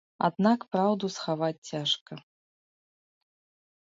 Аднак праўду схаваць цяжка.